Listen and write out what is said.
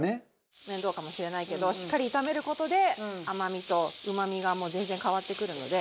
面倒かもしれないけどしっかり炒める事で甘みとうまみが全然変わってくるので。